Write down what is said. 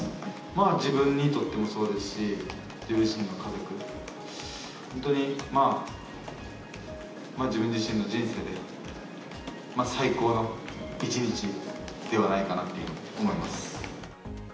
自分にとってもそうですし、自分自身の家族、本当に、自分自身の人生で最高の一日ではないかなと思います。